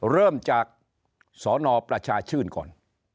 เริ่มจากสนประชาชื่นก่อน